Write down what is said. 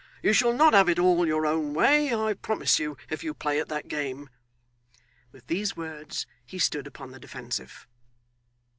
You shall not have it all your own way, I promise you, if you play at that game. With these words he stood upon the defensive.